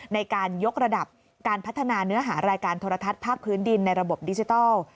ในการยกระดับการพัฒนาเนื้อหารายการโทรทัศน์ภาคพื้นดินในระบบดิจิทัล